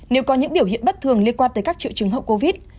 nếu có những biểu hiện bất thường liên quan tới các triệu chứng hậu covid